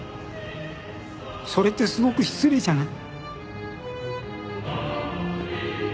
それってすごく失礼じゃない？